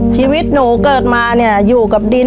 ชีวิตหนูเกิดมาเนี่ยอยู่กับดิน